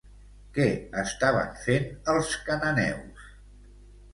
Què estaven fent els cananeus?